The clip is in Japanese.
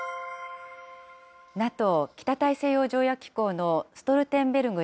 ＮＡＴＯ・北大西洋条約機構のストルテンベルグ